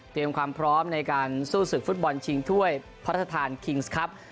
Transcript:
ความพร้อมในการสู้ศึกฟุตบอลชิงถ้วยพระราชทานคิงส์ครับ